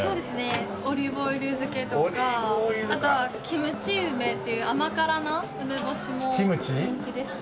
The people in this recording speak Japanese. オリーブオイル漬けとかあとはキムチ梅っていう甘辛な梅干しも人気ですね。